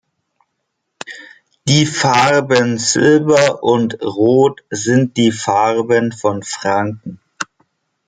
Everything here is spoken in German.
Die Farben Silber und Rot sind die Farben von Franken.